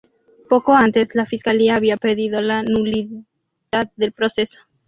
Poco antes, la fiscalía había pedido la nulidad del proceso.